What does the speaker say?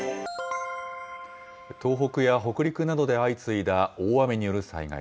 東北や北陸などで相次いだ大雨による災害。